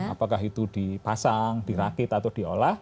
apakah itu dipasang dirakit atau diolah